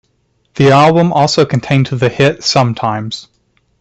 The album also contained the hit "Sometimes".